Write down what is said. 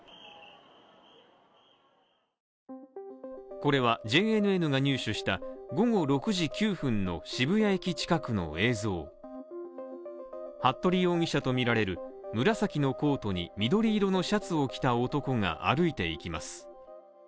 これはＪＮＮが入手した午後６時９分の渋谷駅近くの映像服部容疑者とみられる紫のコートに、緑色のシャツを着た男が歩いていきます。